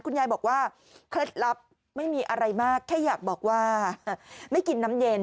คุณยายบอกว่าเคล็ดลับไม่มีอะไรมากแค่อยากบอกว่าไม่กินน้ำเย็น